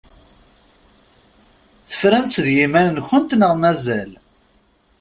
Teframt-tt d yiman-nkent neɣ mazal?